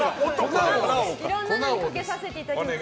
いろんなのにかけさせていただきます。